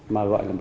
mà gọi là